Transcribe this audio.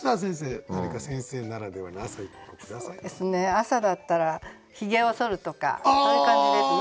「朝」だったら「ひげをそる」とかそういう感じですね。